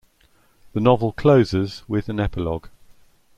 The novel closes with an epilogue.